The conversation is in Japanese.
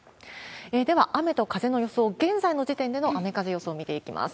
では、雨と風の予想、現在の時点での雨風予想見ていきます。